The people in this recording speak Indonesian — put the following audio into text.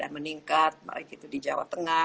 meningkat baik itu di jawa tengah